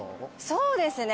そうですね。